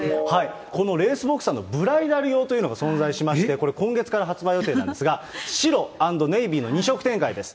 このレースボクサーのブライダル用というのが存在しまして、これ、今月から発売予定なんですが、白＆ネイビーの２色展開です。